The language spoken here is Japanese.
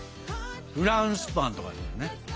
フランスパンとかだよね。